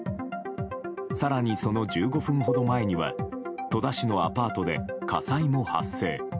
更にその１５分ほど前には戸田市のアパートで火災も発生。